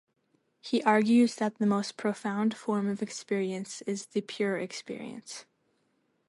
He argues that the most profound form of experience is the pure experience.